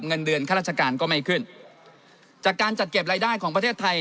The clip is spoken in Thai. เงินเดือนข้าราชการก็ไม่ขึ้นจากการจัดเก็บรายได้ของประเทศไทย